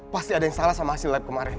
pasti ada yang salah sama hasil lab kemarin